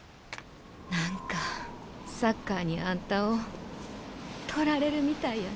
何かサッカーにあんたを取られるみたいやねえ。